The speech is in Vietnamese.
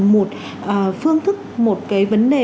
một cái vấn đề